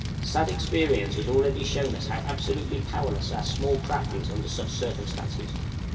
Sad experience has already shown us how absolutely powerless our small craft is under such circumstances.